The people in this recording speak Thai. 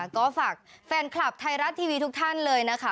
ก็ฝากแฟนคลับไทยรัฐทีวีทุกท่านเลยนะคะ